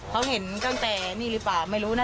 เขาเห็นตั้งแต่นี่หรือเปล่าไม่รู้นะ